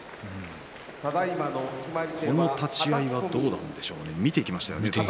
この立ち合いはどうなんでしょうか見ていきましたね。